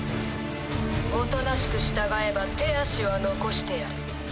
大人しく従えば手足は残してやる。